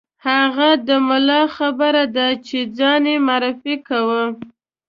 هغه د ملا خبره ده چې ځان یې معرفي کاوه.